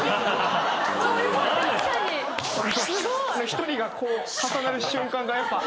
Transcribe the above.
一人がこう重なる瞬間がやっぱ。